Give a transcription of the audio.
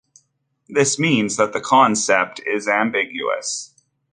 This means that the concept is ambiguous.